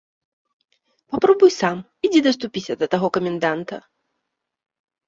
Папрабуй сам, ідзі даступіся да таго каменданта.